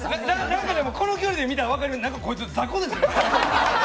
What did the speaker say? この距離で見たら分かります、何かこいつ、雑魚です。